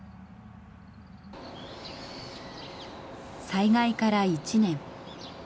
災害から１年。